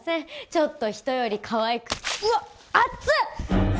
ちょっと人よりかわいくうわっ熱っ！